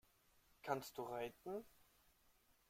Kannst du reiten?